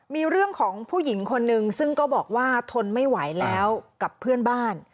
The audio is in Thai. มีเรื่องของผู้หญิงคนนึงซึ่งก็บอกว่าทนไม่ไหวแล้วกับเพื่อนบ้าน